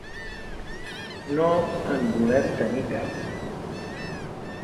No en volem tenir cap.